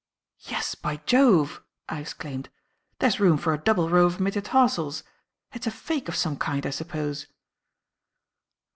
"Yes, by Jove!" I exclaimed; "there's room for a double row of metatarsals. It is a fake of some kind, I suppose?"